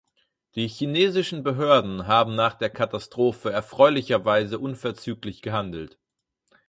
Die chinesischen Behörden haben nach der Katastrophe erfreulicherweise unverzüglich gehandelt.